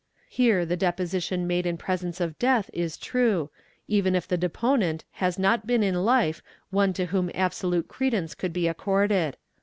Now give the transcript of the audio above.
Here the leposition made in presence of death is true, even if the deponent has not been in life one to whom absolute credence could be accorded.